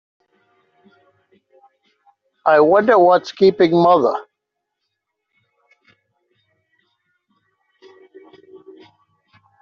I wonder what's keeping mother?